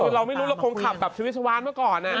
เราไม่รู้เราคงขับที่วิชาวานเมื่อก่อน